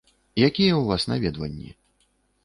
Якія ў вас наведванні?